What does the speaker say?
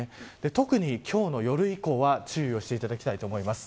特に、今日の夜以降は、注意していただきたいと思います。